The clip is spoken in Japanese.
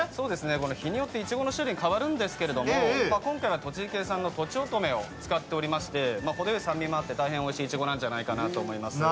日によっていちごの種類が変わるんですけど、今回は栃木県産のとちおとめを使ってまして、程よい酸味もあって、おいしいいちごなんじゃないかなと思います。